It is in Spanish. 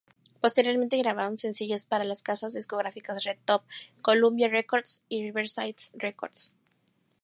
Posteriormente grabaron sencillos para las casas discográficas Red Top, Columbia Records y Riverside Records.